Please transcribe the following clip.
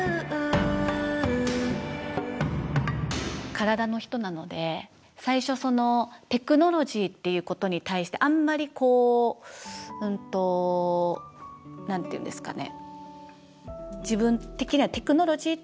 体の人なので最初テクノロジーっていうことに対してあんまりこう何て言うんですかね